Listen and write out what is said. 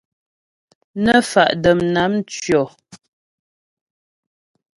Nə́ fa' dəm nám ntʉɔ.